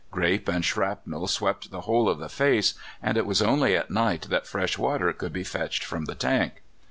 Grape and shrapnel swept the whole of the face, and it was only at night that fresh water could be fetched from the tank.